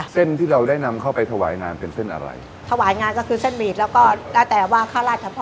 เส้นที่เราได้นำเข้าไปถวายงานเป็นเส้นอะไรถวายงานก็คือเส้นมีดเราก็